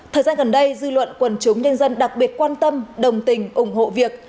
thời gian gần đây dư luận quần chúng nhân dân đặc biệt quan tâm đồng tình ủng hộ việc